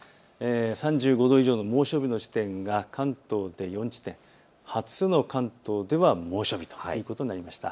３５度以上の猛暑日の地点が関東で４地点、初の関東では猛暑日ということになりました。